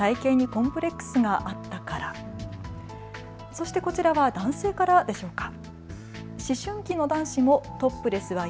そしてこちらは男性からでしょうか。